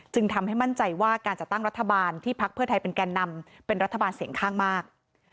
ทำให้มั่นใจว่าการจัดตั้งรัฐบาลที่พักเพื่อไทยเป็นแก่นำเป็นรัฐบาลเสียงข้างมาก